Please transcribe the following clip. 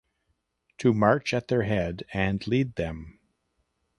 To march at their head and lead them.